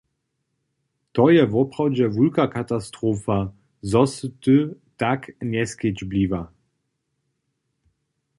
To je woprawdźe wulka katastrofa, zo sy ty tak njeskedźbliwa.